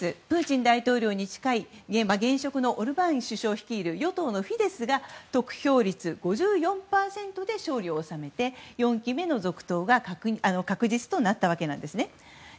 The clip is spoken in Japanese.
プーチン大統領に近い現職のオルバーン首相率いる与党のフィデスが得票率５４％で勝利を収めて４期目の続投が確実となったわけです。